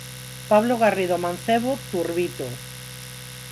Pablo Garrido Mancebo, 'Turbito'.